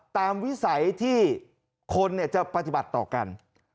วิสัยที่คนจะปฏิบัติต่อกัน